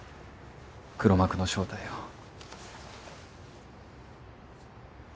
黒幕の正体を。